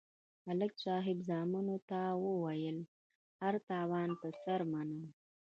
ملک صاحب زامنو ته ویل: هر تاوان پر سر منم.